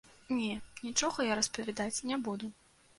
Не, нічога я распавядаць не буду.